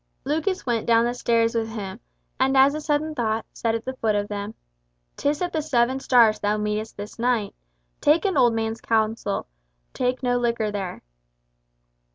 Lucas went down the stairs with him, and as a sudden thought, said at the foot of them, "'Tis at the Seven Stars thou meetest this knight. Take an old man's counsel. Taste no liquor there."